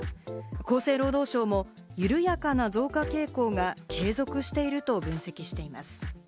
厚生労働省も緩やかな増加傾向が継続していると分析しています。